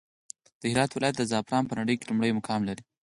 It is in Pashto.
د هرات ولايت زعفران په نړى کې لومړى مقام لري.